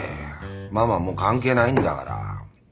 ママはもう関係ないんだから。